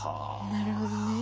なるほどね。